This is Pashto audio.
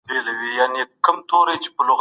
د څارنې نشتوالی په حکومت کي د فساد لامل ګرځي.